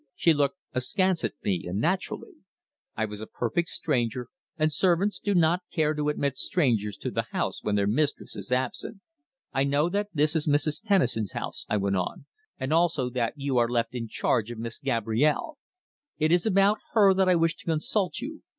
She looked askance at me, and naturally. I was a perfect stranger, and servants do not care to admit strangers to the house when their mistress is absent. "I know that this is Mrs. Tennison's house," I went on, "and also that you are left in charge of Miss Gabrielle. It is about her that I wish to consult you.